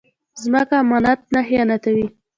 ځمکه امانت نه خیانتوي